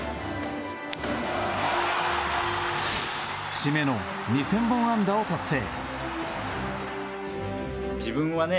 節目の２０００本安打を達成。